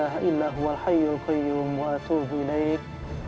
menj quarters kyudoo mucuk yian backend